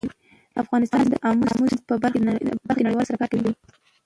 افغانستان د آمو سیند په برخه کې نړیوالو سره کار کوي.